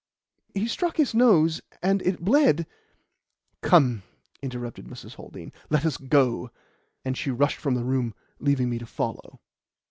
He struck his nose and it bled " "Come," interrupted Mrs. Haldean, "let us go," and she rushed from the room, leaving me to follow.